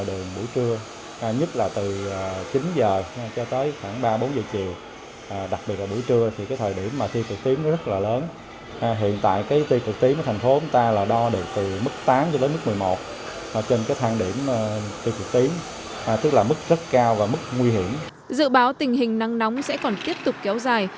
dự báo tình hình nắng nóng sẽ còn tiếp tục kéo dài